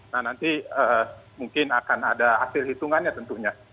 nah nanti mungkin akan ada hasil hitungannya tentunya